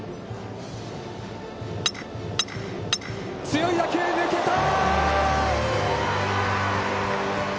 強い打球、抜けた！